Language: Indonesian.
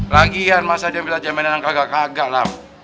lagian masa dia bilang jaminan yang kagak kagak lam